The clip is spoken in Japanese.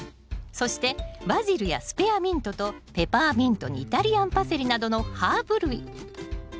そしてバジルやスペアミントとペパーミントにイタリアンパセリなどのハーブ類。